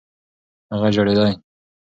هغه ژړېدی .